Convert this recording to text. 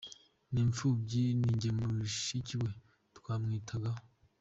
Ni imfubyi ni jye na mushiki we twamwitagaho.